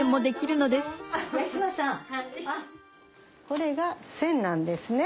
これがせんなんですね。